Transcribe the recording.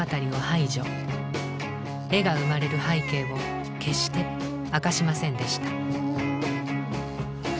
絵が生まれる背景を決して明かしませんでした。